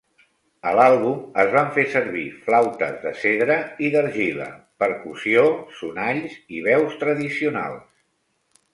A l'àlbum es van fer servir flautes de cedre i d'argila, percussió, sonalls i veus tradicionals.